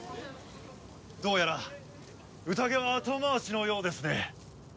どうやらうたげは後回しのようですね。